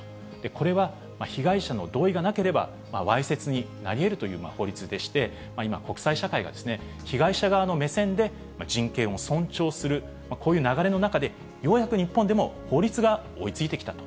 これは、被害者の同意がなければ、わいせつになりえるという法律でして、今、国際社会が被害者側の目線で人権を尊重する、こういう流れの中で、ようやく日本でも、法律が追いついてきたと。